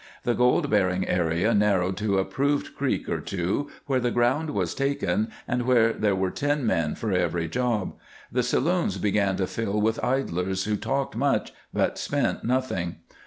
The gold bearing area narrowed to a proved creek or two where the ground was taken and where there were ten men for every job; the saloons began to fill with idlers who talked much, but spent nothing.